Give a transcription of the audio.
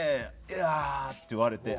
「いやあ」って言われて。